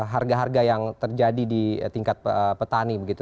harga harga yang terjadi di tingkat petani begitu